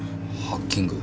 ハッキング。